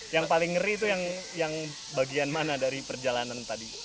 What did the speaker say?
yang paling ngeri itu yang bagian mana dari perjalanan tadi